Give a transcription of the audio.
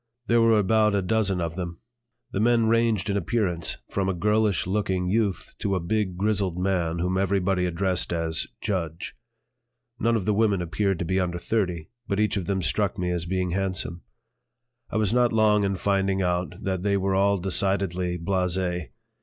There were about a dozen of them. The men ranged in appearance from a girlish looking youth to a big grizzled man whom everybody addressed as "Judge." None of the women appeared to be under thirty, but each of them struck me as being handsome. I was not long in finding out that they were all decidedly blasé.